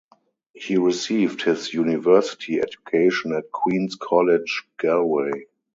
He received his university education at Queens College Galway.